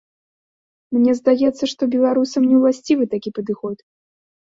Мне здаецца, што беларусам не ўласцівы такі падыход.